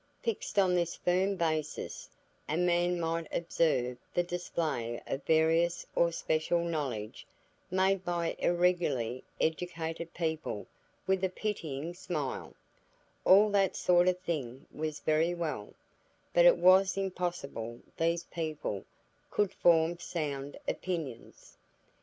Fixed on this firm basis, a man might observe the display of various or special knowledge made by irregularly educated people with a pitying smile; all that sort of thing was very well, but it was impossible these people could form sound opinions.